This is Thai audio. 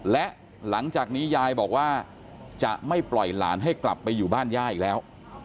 และหลังจากนี้ยายบอกว่าจะไม่ปล่อยหลานให้กลับไปอยู่บ้านย่าอีกแล้ว